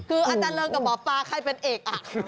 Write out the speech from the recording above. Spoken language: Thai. คืออาจารย์เริงกับหมอปลาใครเป็นเอกอ่ะ